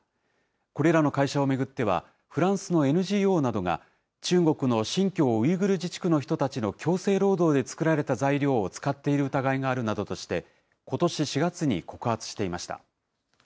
これらの会社を巡っては、フランスのＮＧＯなどが、中国の新疆ウイグル自治区の人たちの強制労働で作られた材料を使っている疑いがあるなどとして、ことし４月に告発していました。